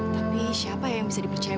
tapi siapa yang bisa dipercaya